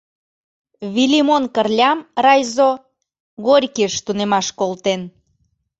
Вилимон Кырлям райзо Горькийыш тунемаш колтен.